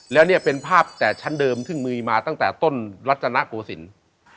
แล้วเนี่ยเป็นภาพแต่ชั้นเดิมซึ่งมีมาตั้งแต่ต้นรัตนโกศิลป์